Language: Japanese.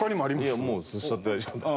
いやもう座って大丈夫。